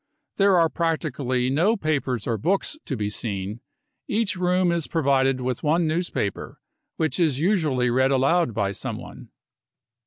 There are practically no papers or books to be seen ; each room is provided with one newspaper, which is % usually read aloud by someone.